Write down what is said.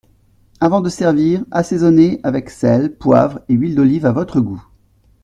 Avant de servir, assaisonner avec sel, poivre et huile d’olive à votre goût.